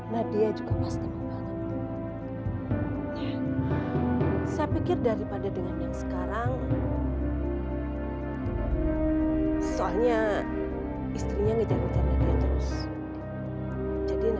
jadi nadia merasa hidupnya terancam